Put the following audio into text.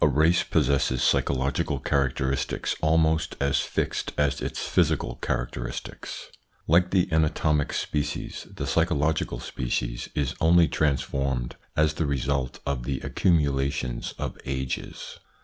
A race possesses psychological characteristics almost as fixed as its physical characteristics. Like the anatomic species, the psychological species is 230 THE PSYCHOLOGY OF PEOPLES 231 only transformed as the result of the accumulations of ages.